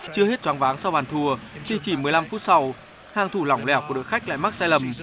chưa hết tráng váng sau bàn thua chỉ một mươi năm phút sau hàng thủ lỏng lẻo của đội khách lại mắc sai lầm